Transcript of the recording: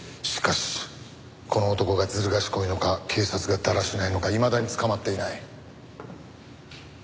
しかしこの男がずる賢いのか警察がだらしないのかいまだに捕まっていない。